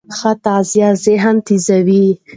ښه تغذیه ذهن تېزوي.